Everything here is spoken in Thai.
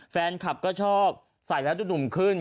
แฟนคลับก็ชอบใส่แล้วดูหนุ่มขึ้น